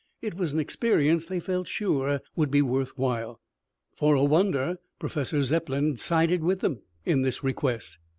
It was an experience that they felt sure would be worth while. For a wonder, Professor Zepplin sided with them in this request.